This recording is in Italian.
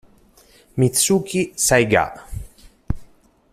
Mitsuki Saiga